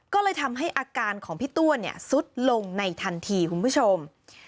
ก็เลยทำให้อาการของพี่ตัวสุดลงในทันทีคุณผู้ชม